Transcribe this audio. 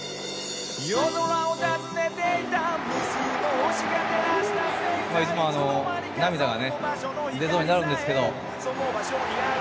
いつも涙がね出そうになるんですけど。